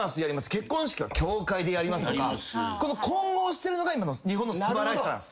結婚式は教会でやりますとかこの混合してるのが今の日本の素晴らしさなんです。